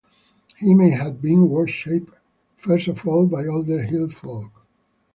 He may have been worshiped first of all by older hill-folk.